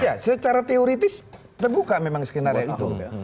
ya secara teoritis terbuka memang skenario itu